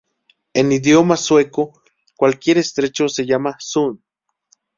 En idioma sueco, cualquier estrecho se llama "sund".